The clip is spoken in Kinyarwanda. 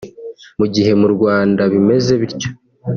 Mu gihe mu Rwanda bimeze bityo